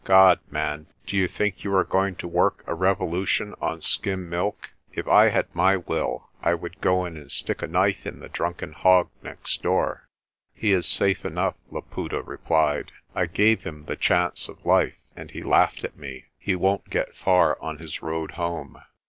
God, man, do you think you are going to work a revolution on skim milk? If I had my will I would go in and stick a knife in the drunken hog next door." "He is safe enough," Laputa replied. "I gave him the chance of life, and he laughed at me. He won't get far on his road home."